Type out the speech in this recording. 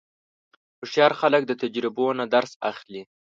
هوښیار خلک د تجربو نه درس اخلي.